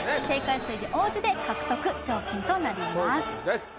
正解数に応じて獲得賞金となります